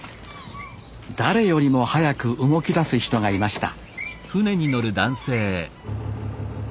誰よりも早く動きだす人がいました